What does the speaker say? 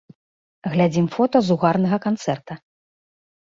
Глядзім фота з угарнага канцэрта.